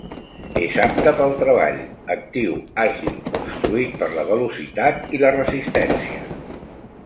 És apte pel treball, actiu, àgil, construït per la velocitat i la resistència.